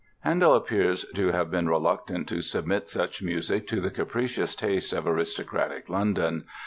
Handel appears to have "been reluctant to submit such music to the capricious taste of aristocratic London."